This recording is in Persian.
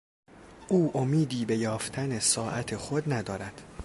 او امیدی به یافتن ساعت خود ندارد.